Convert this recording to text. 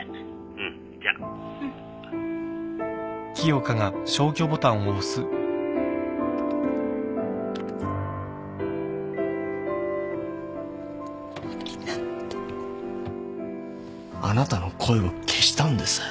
☎うん☎ありがとうあなたの声を消したんです。